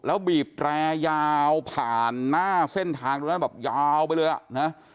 แล้วบีบแตรยาวผ่านหน้าเส้นทางตรงนั้นแบบยาวไปเลยอ่ะนะ